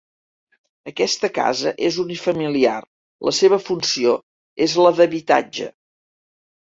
Aquesta casa és unifamiliar, la seva funció, és la d'habitatge.